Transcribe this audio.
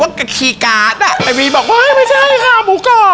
อะมีที่สุดอีกค่ะ